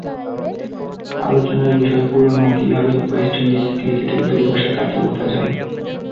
আলোচনার বিষয় পুরোনো, কীভাবে ওয়েস্ট ইন্ডিজ ক্রিকেটের দুর্দশা কাটিয়ে ওঠা যায়।